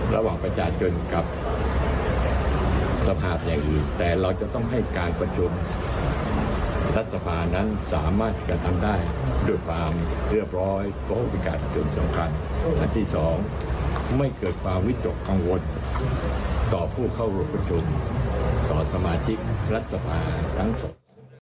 และที่สองไม่เกิดความวิจกรรมกังวลต่อผู้เข้ารวบคุมต่อสมาธิรัฐภาคทั้งส่วน